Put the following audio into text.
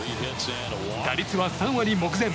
打率は３割目前。